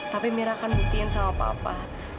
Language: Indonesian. tapi mira kan buktiin sama papa